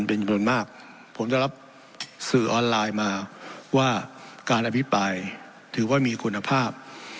เป็นจำนวนมากผมได้รับสื่อออนไลน์มาว่าการอภิปรายถือว่ามีคุณภาพ